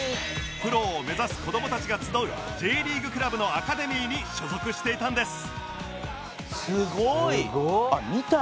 プロを目指す子どもたちが集う Ｊ リーグクラブのアカデミーに所属していたんです